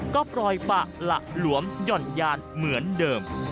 ก็ปล่อยปะหละหลวมหย่อนยานเหมือนเดิม